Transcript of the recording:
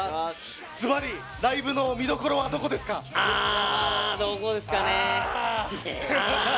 ずばりライブの見どころはどこですかね。